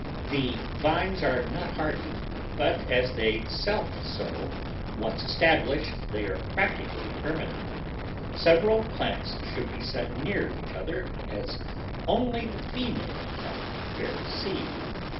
The vines are not hardy, but, as they self sow, once established they are practically permanent. Sev eral plants should be set near each other, as only the female plant bears seed.